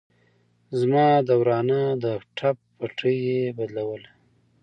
زما د ورانه د ټپ پټۍ يې بدلوله.